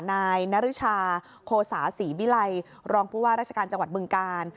นายนริชาโคสาศรีวิลัยรองผู้ว่าราชการจังหวัดบึงกาล